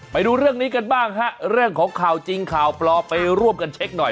ไปดูเรื่องนี้กันบ้างฮะเรื่องของข่าวจริงข่าวปลอมไปร่วมกันเช็คหน่อย